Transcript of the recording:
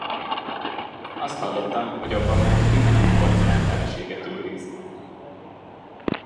Azt hallottam, hogy abban már tizenegy porcelán feleséget őriz!